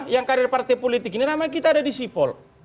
yang karir partai politik ini namanya kita ada di sipol